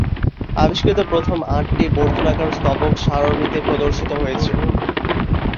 আবিষ্কৃত প্রথম আটটি বর্তুলাকার স্তবক সারণীতে প্রদর্শিত হয়েছে।